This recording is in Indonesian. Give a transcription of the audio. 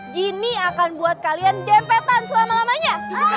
gini akan buat kalian dempetan selama lamanya